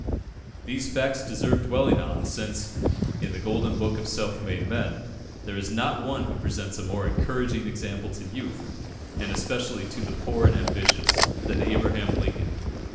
These facts deserve dwelling on, since, in the golden book of self made men, there is not one who presents a more encouraging example to youth, and especially to the poor and ambitious, than Abraham Lincoln.